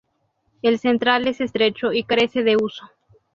El central es estrecho y carece de uso.